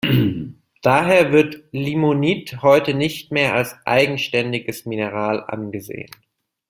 Daher wird Limonit heute nicht mehr als eigenständiges Mineral angesehen.